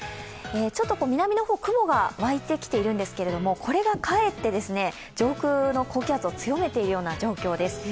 ちょっと南の方、雲が湧いてきているんですけれどもこれがかえって上空の高気圧を強めているような状況です。